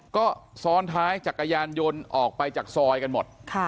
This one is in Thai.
ก็ซ้อนท้ายจักรยานยนต์ออกไปจากซอยกันหมด